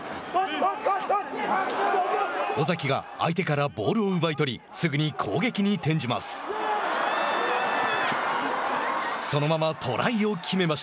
尾崎が相手からボールを奪い取りすぐに攻撃に転じます。